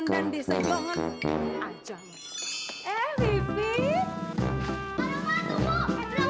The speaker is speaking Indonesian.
makanya aku mau baca schedule aku